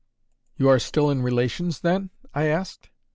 "You are still in relations, then?" I asked.